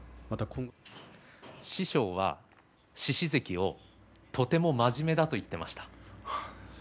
師匠は獅司関をとても真面目だと言っていました。